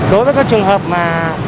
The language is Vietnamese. đối với các trường hợp mà